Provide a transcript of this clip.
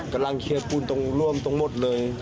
กำลังเคปูนตรงร่วมตรงหมดเลย